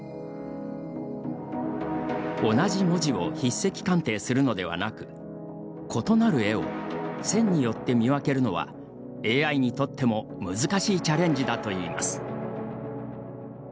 同じ文字を筆跡鑑定するのではなく異なる絵を線によって見分けるのはＡＩにとっても難しいチャレンジだといいます。